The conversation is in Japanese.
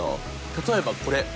例えばこれ！